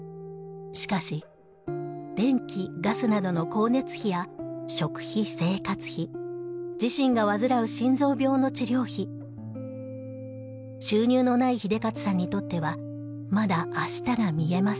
しかし電気・ガスなどの光熱費や食費生活費自身が患う心臓病の治療費収入のない英捷さんにとってはまだ明日が見えません。